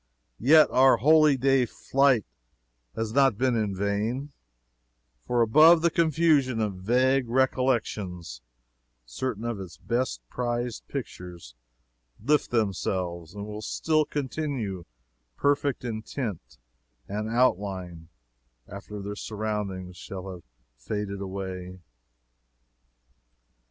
Yet our holyday flight has not been in vain for above the confusion of vague recollections, certain of its best prized pictures lift themselves and will still continue perfect in tint and outline after their surroundings shall have faded away.